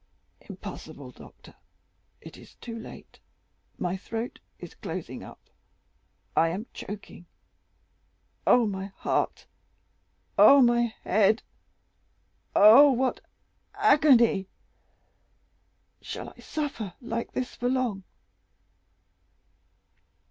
"Impossible, doctor; it is too late; my throat is closing up. I am choking! Oh, my heart! Ah, my head!—Oh, what agony!—Shall I suffer like this long?"